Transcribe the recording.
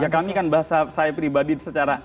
ya kami kan bahasa saya pribadi secara